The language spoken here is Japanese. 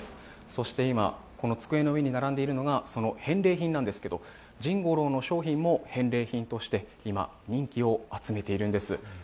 そして今、この机の上に並んでいるのが、その返礼品なんですけど、甚五朗の商品も返礼品として今、人気を集めているんです。